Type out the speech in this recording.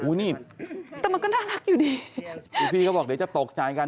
นี่แต่มันก็น่ารักอยู่ดีพี่เขาบอกเดี๋ยวจะตกใจกัน